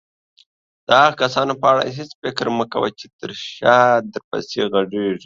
د هغه کسانو په اړه هيڅ فکر مه کوه چې تر شاه درپسې غږيږي.